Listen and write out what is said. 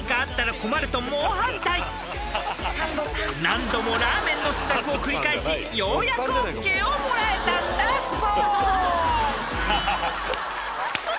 ［何度もラーメンの試作を繰り返しようやくＯＫをもらえたんだそう］